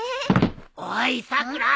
おいさくら！